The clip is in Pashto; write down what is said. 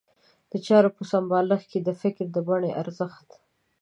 د چارو په سمبالولو کې د فکر د بڼې ارزښت.